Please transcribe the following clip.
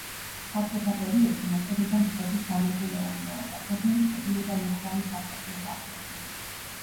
საბჭოთა პერიოდში მოქმედებდა მცხეთის სანერგე მეურნეობა, სოფელი შედიოდა მუხრანის სასოფლო საბჭოში.